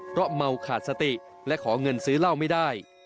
เพราะเมาขาดสติและขอเงินซื้อเหล้าไม่ได้